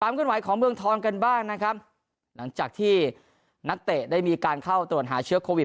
ขึ้นไหวของเมืองทองกันบ้างนะครับหลังจากที่นักเตะได้มีการเข้าตรวจหาเชื้อโควิด